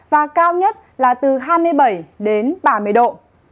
và cao nhất là từ hai mươi bảy đến ba mươi độ